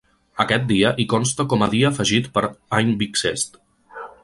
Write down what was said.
Aquest dia hi consta com a ‘dia afegit per any bixest’.